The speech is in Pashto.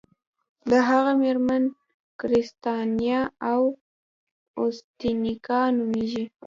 د هغه میرمن کریستینا اویتیسیکا نومیږي.